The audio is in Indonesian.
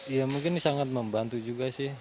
ya mungkin sangat membantu juga sih